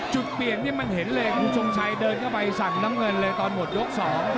จุดเปลี่ยนนี่มันเห็นเลยคุณทรงชัยเดินเข้าไปสั่งน้ำเงินเลยตอนหมดยก๒